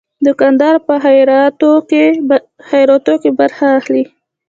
دوکاندار په خیراتو کې برخه اخلي.